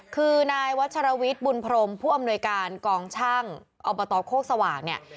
คือนายวัชรวิทย์บุญพรมผู้อำนวยการกองช่างอบตโคกสว่างเนี่ย